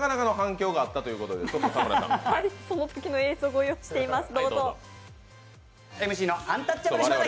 そのときの映像をご用意しています。